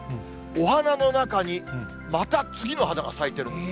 お花の中にまた次の花が咲いているんです。